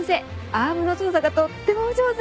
アームの操作がとってもお上手！